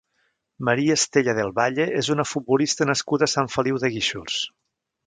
María Estella Del Valle és una futbolista nascuda a Sant Feliu de Guíxols.